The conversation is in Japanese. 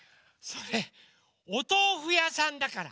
それおとうふやさんだから！